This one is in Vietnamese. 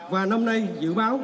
và năm nay dự báo